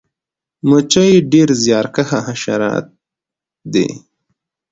مچۍ ډیر زیارکښه حشرات دي